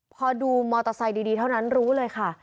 พอดูมอเตอร์ไซค์ดีเท่านั้นรู้เลยค่ะ